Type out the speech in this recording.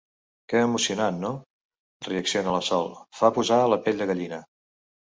Que emocionant, no? —reacciona la Sol— Fa posar la pell de gallina.